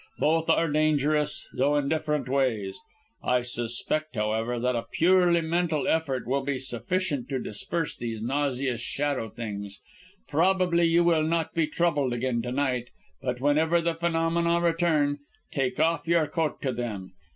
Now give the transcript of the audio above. Both are dangerous, though in different ways. I suspect, however, that a purely mental effort will be sufficient to disperse these nauseous shadow things. Probably you will not be troubled again to night, but whenever the phenomena return, take off your coat to them!